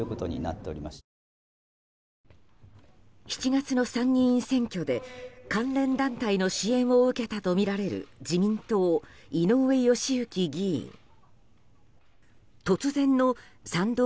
７月の参議院選挙で関連団体の支援を受けたとみられる自民党、井上義行議員突然の賛同